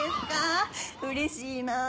うれしいなぁ。